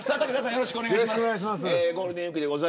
よろしくお願いします。